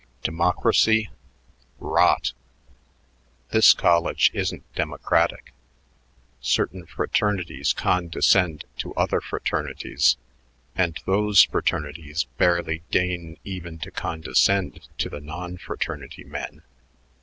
Democracy! Rot! This college isn't democratic. Certain fraternities condescend to other fraternities, and those fraternities barely deign even to condescend to the non fraternity men.